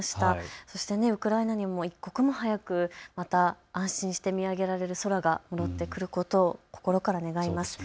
そしてウクライナにも一刻も早くまた安心して見上げられる空が戻ってくることを心から願います。